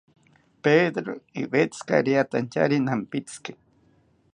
Pedero iwetzika riatantyari nampitziki